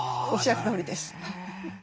おっしゃるとおりです。